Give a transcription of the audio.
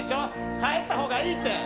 帰ったほうがいいって。